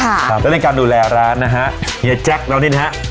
แล้วในการดูแลร้านนะฮะเฮียแจ็คเรานี่นะฮะ